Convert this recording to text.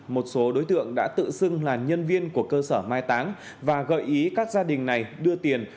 một số đối tượng đã tự xưng là nhân viên của cơ sở mai táng và gợi ý các gia đình này đưa tiền